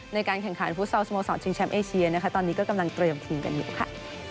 ในการแข่งขันฟุตซอลสโมสรชิงแชมป์เอเชียนะคะตอนนี้ก็กำลังเตรียมทีมกันอยู่ค่ะ